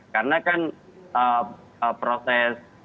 karena kan proses